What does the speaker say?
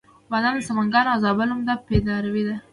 بادام د سمنګان او زابل عمده پیداوار دی.